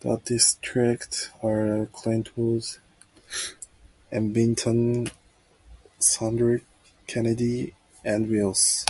The districts are: Clintwood, Ervinton, Sandlick, Kenady, and Willis.